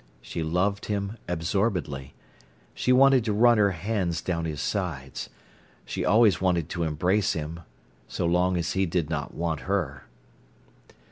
She loved him absorbedly. She wanted to run her hands down his sides. She always wanted to embrace him, so long as he did not want her.